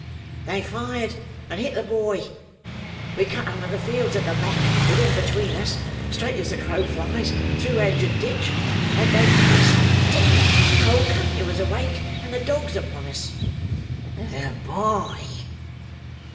"They fired and hit the boy. We cut over the fields at the back, with him between us—straight as the crow flies—through hedge and ditch. They gave chase. Damme! the whole country was awake, and the dogs upon us." "The boy!"